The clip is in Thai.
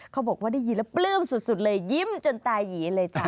เขาบอกว่าได้ยินแล้วปลื้มสุดเลยยิ้มจนตายีเลยจ้ะ